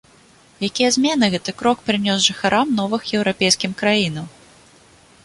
Якія змены гэты крок прынёс жыхарам новых еўрапейскім краінаў?